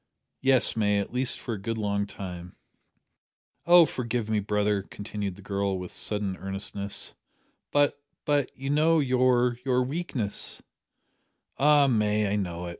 "Yes, May at least for a good long time." "Oh forgive me, brother," continued the girl, with sudden earnestness, "but but you know your your weakness " "Ay, May, I know it.